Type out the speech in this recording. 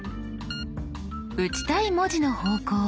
打ちたい文字の方向